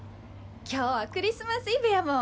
今日はクリスマスイブやもん。